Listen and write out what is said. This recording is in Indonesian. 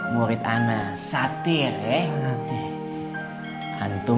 murid anak satu